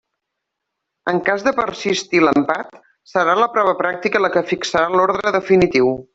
En cas de persistir l'empat, serà la prova pràctica la que fixarà l'ordre definitiu.